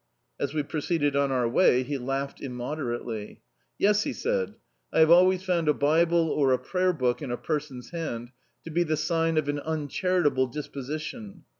As we proceeded on our way he lauded immoder ately. "Yes," he said, "I have always found a bible or a prayer book in a person's hand to be the sign of an uncharitable disposition.